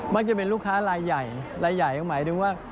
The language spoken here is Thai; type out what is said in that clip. มักจะเป็นลูกค้าลายใหญ่ลายใหญ่อย่างหมายถึงว่า